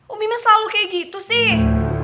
umi mah selalu kayak gitu sih